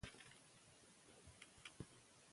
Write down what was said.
زه به دا کیسه نورو ته ووایم.